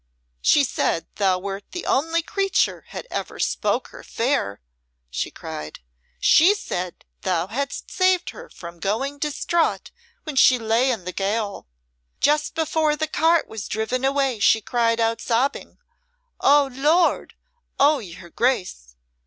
"She said thou wert the only creature had ever spoke her fair," she cried. "She said thou hadst saved her from going distraught when she lay in the gaol. Just before the cart was driven away she cried out sobbing, 'Oh, Lord! Oh, your Grace!'